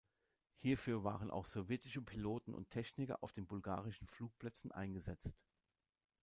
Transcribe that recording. Hierfür waren auch sowjetische Piloten und Techniker auf den bulgarischen Flugplätzen eingesetzt.